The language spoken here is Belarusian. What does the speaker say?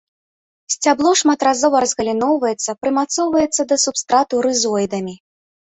Сцябло шматразова разгаліноўваецца, прымацоўваецца да субстрату рызоідамі.